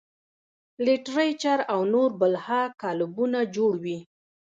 لټرېچر او نور بلها کلبونه جوړ وي -